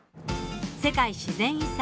世界自然遺産